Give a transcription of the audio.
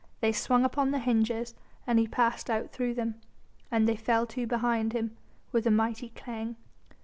They swung upon their hinges and he passed out through them. And they fell to behind him with a mighty clang.